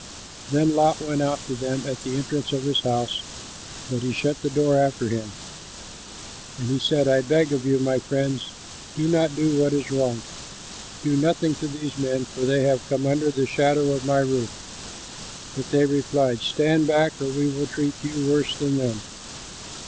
Then Lot went out to them at the entrance of his house, but he shut the door after him. And he said, "I beg of you, my friends, do not do what is wrong. Do nothing to these men, for they have come under the shadow of my roof." But they replied, "Stand back, or we will treat you worse than them."